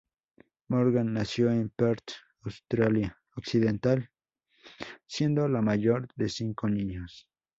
Morgan nació en Perth, Australia Occidental, siendo la mayor de cinco niños.